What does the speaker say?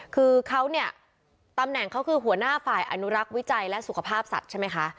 คือเขาเนี่ยตำแหน่งเขาคือหัวหน้าฝ่ายอนุรักษ์วิจัยและสุขภาพสัตว์ใช่ไหมคะ